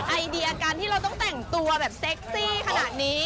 ไอเดียการที่เราต้องแต่งตัวแบบเซ็กซี่ขนาดนี้